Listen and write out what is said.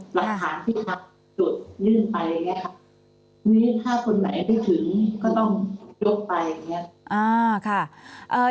หลักฐานที่เขาตรวจยื่นไปอย่างนี้ค่ะทีนี้ถ้าคนไหนไม่ถึงก็ต้องยกไปอย่างนี้